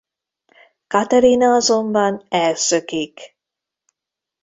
Katerina azonban elszökik.